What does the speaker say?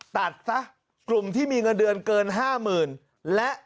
ตัดซะกลุ่มที่มีเงินเดือนเกิน๕๐๐๐และ